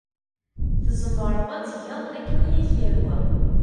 Tzemreḍ ad tgeḍ akken ay ak-yehwa.